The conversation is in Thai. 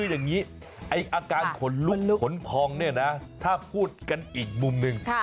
อาการขนลุกขนพองถ้าพูดกันอีกมุมหนึ่ง